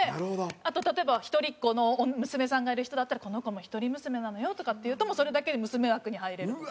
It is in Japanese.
あと例えば一人っ子の娘さんがいる人だったら「この子も一人娘なのよ」とかって言うともうそれだけで娘枠に入れるとか。